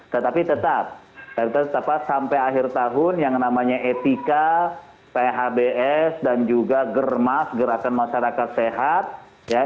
tetapi tetap sampai akhir tahun yang namanya etika phbs dan juga germas gerakan masyarakat sehat ya